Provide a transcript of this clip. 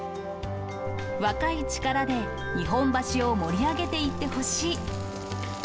若い力で、日本橋を盛り上げていってほしい。